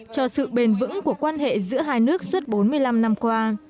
cho sự bền vững của quan hệ giữa hai nước suốt bốn mươi năm năm qua